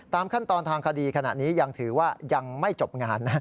ขั้นตอนทางคดีขณะนี้ยังถือว่ายังไม่จบงานนะ